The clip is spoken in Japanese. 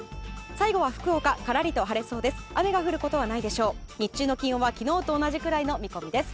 最後は福岡からりと晴れそうです。